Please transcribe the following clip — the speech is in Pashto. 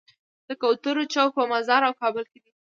د کوترو چوک په مزار او کابل کې دی.